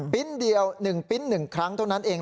เดียว๑ปิ๊น๑ครั้งเท่านั้นเอง